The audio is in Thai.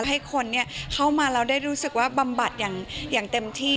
ให้คนเข้ามาแล้วได้รู้สึกว่าบำบัดอย่างเต็มที่